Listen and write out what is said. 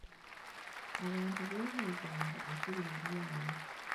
Abantu beebuuzanga ekiri mu byayi!